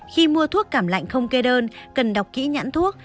khi mua thuốc cảm lạnh không kê đơn cần đọc kỹ nhãn thuốc